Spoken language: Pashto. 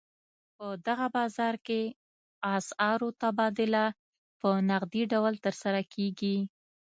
په دغه بازار کې اسعارو تبادله په نغدي ډول ترسره کېږي.